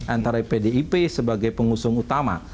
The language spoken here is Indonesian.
antara pdip sebagai pengusung utama